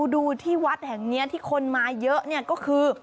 ดูที่วัดแห่งนี้ที่คนมาเยอะเนี่ยก็คือ